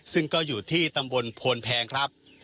ซึ่งก็อยู่ที่ตำบลโพนแพงครับ